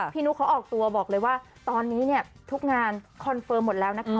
นุ๊กเขาออกตัวบอกเลยว่าตอนนี้เนี่ยทุกงานคอนเฟิร์มหมดแล้วนะคะ